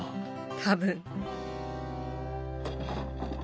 多分。